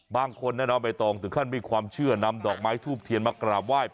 บางคนนะน้องใบตองถึงขั้นมีความเชื่อนำดอกไม้ทูบเทียนมากราบไหว้